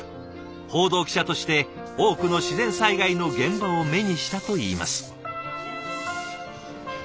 報道記者として多くの自然災害の現場を目にしたといいます。